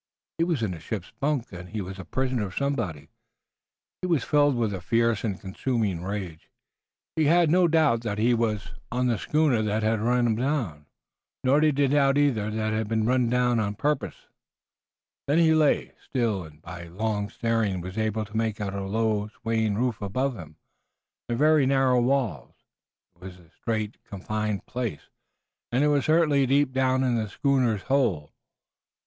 He was in a ship's bunk and he was a prisoner of somebody. He was filled with a fierce and consuming rage. He had no doubt that he was on the schooner that had run him down, nor did he doubt either that he had been run down purposely. Then he lay still and by long staring was able to make out a low swaying roof above him and very narrow walls. It was a strait, confined place, and it was certainly deep down in the schooner's hold.